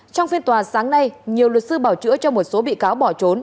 trong phiên tòa sáng nay nhiều luật sư bảo chữa cho một số bị cáo bỏ trốn